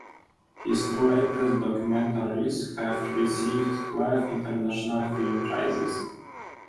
His two latest documentaries have received twelve International Film Prizes.